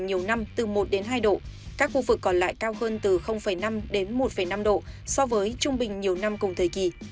nhiều năm từ một đến hai độ các khu vực còn lại cao hơn từ năm đến một năm độ so với trung bình nhiều năm cùng thời kỳ